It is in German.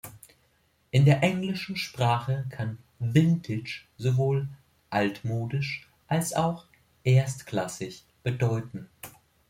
In der englischen Sprache kann "Vintage" sowohl „altmodisch“ als auch „erstklassig“ bedeuten.